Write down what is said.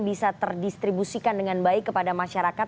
bisa terdistribusikan dengan baik kepada masyarakat